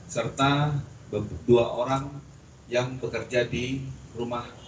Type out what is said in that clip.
serta dua orang yang bekerja di rumah